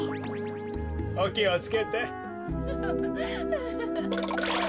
おきをつけて。